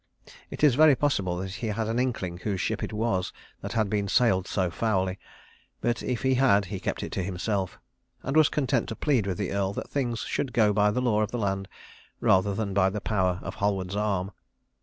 It is very possible that he had an inkling whose ship it was that had been sailed so foully; but if he had he kept it to himself, and was content to plead with the Earl that things should go by the law of the land rather than by the power of Halward's arm.